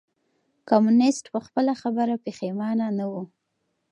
کمونيسټ په خپله خبره پښېمانه نه و.